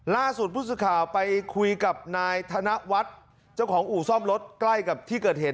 ล่าสุดผู้สื่อข่าวไปคุยกับนายธนวัฒน์เจ้าของอู่ซ่อมรถใกล้กับที่เกิดเหตุ